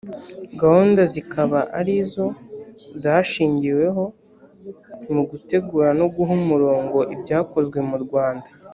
gahunda zikaba arizo zashigiweho mu gutegura no guha umurongo ibyakozwe murwanda